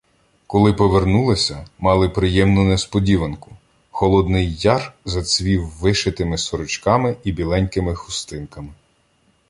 Коли повернулися, мали приємну несподіванку: Холодний яр зацвів вишитими сорочками і біленькими хустинками.